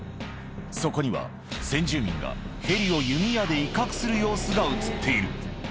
そこには先住民がヘリを弓矢で威嚇する様子が写っている